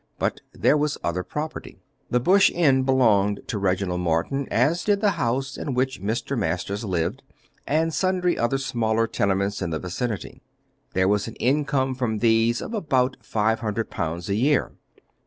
But there was other property. The Bush Inn belonged to Reginald Morton, as did the house in which Mr. Masters lived, and sundry other smaller tenements in the vicinity. There was an income from these of about five hundred pounds a year.